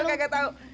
lu kaga tau